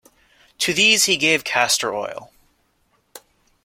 To these he gave castor oil.